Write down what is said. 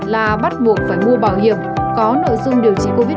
là bắt buộc phải mua bảo hiểm có nội dung điều trị covid một mươi chín